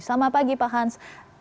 selamat pagi pak hans